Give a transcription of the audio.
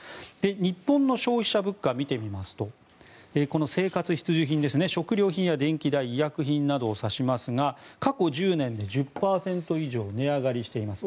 日本の消費者物価を見てみますとこの生活必需品食料品や電気代、医薬品などを指しますが過去１０年で１０％以上値上がりしています。